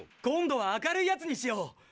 今度は明るいやつにしよう。